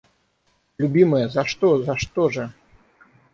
Любимая, за что, за что же?!